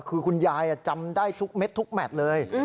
คือคุณยายจำได้ทุกเม็ดทุกแมทเลย